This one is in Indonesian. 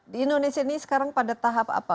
di indonesia ini sekarang pada tahap apa